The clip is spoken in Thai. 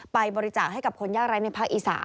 บริจาคให้กับคนยากไร้ในภาคอีสาน